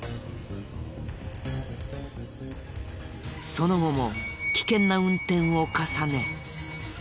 その後も危険な運転を重ね。